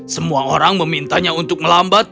semua orang memintanya untuk melambat